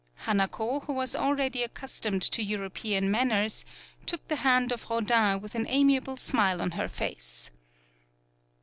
Hanako, who was already accus tomed to European manners, took the hand of Rodin with an amiable smile on her face.